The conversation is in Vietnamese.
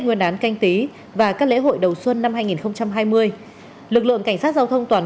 hãy đón chờ quý vị và anh nhẹ nhàngbul